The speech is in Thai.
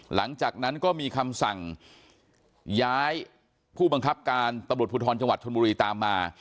หลังจากนั้นก็มีคำสั่งย้ายผู้บังคับการตำรวจภูทรจังหวัดชนบุรีตามมา